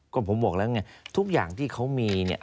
ก็ผมบอกแล้วทุกอย่างที่เขามี